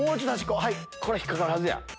これ引っ掛かるはずや。